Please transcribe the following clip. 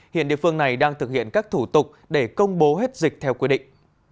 hiện địa phương này đang thực hiện các thủ tục để công bố hết dịch theo quy định